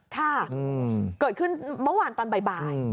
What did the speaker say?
ค่ะเกิดขึ้นเมื่อวานตอนบ่าย